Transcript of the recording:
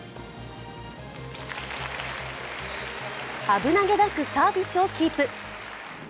危なげなくサービスをキープ。